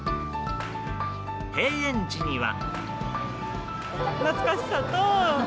閉園時には。